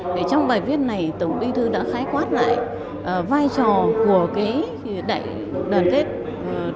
trong bài viết này tổng bí thư đã khái quát lại vai trò của đại đoàn kết